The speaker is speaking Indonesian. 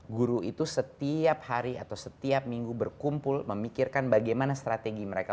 guru itu setiap hari atau setiap minggu berkumpul memikirkan bagaimana strategi mereka